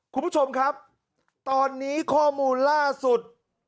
คุณผู้ชมครับตอนนี้ข้อมูลล่าสุด